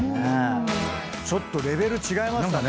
ちょっとレベル違いましたね。